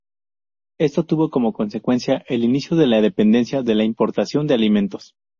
Esto tuvo como consecuencia el inicio de la dependencia de la importación de alimentos.